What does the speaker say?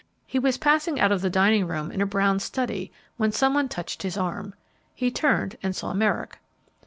He was passing out of the dining room in a brown study when some one touched his arm. He turned and saw Merrick.